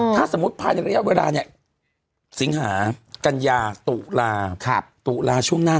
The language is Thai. ถ้าสมมุติภายในระยะเวลาเนี่ยสิงหากัญญาตุลาตุลาช่วงหน้า